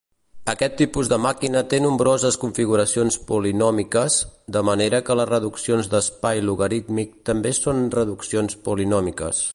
Aquest tipus de màquina té nombroses configuracions polinòmiques, de manera que les reduccions d'espai logarítmic també són reduccions polinòmiques.